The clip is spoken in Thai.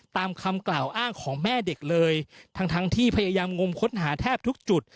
ตามคำกล่าวอ้างของแม่เด็กเลยทั้งทั้งที่พยายามงมค้นหาแทบทุกจุด